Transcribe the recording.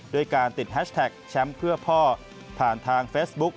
ด้วยการติดแฮชแท็กแชมป์เพื่อพ่อผ่านทางเฟซบุ๊ก